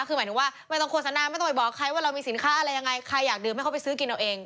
คือหมายถึงว่าไม่ต้องโฆษณาไม่ต้องไปบอกใครว่าเรามีสินค้าอะไรยังไงใครอยากดื่มให้เขาไปซื้อกินเอาเอง